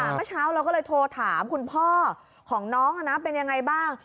เมื่อเช้าเราก็เลยโทรถามคุณพ่อของน้องเป็นยังไงบ้าง